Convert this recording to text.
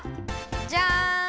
じゃん。